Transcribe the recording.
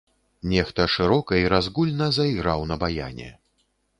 Нехта шырока і разгульна зайграў на баяне.